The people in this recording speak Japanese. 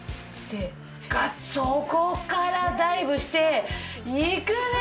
そこからダイブしていくね！